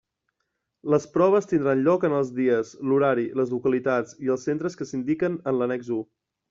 Les proves tindran lloc en els dies, l'horari, les localitats i els centres que s'indiquen en l'annex u.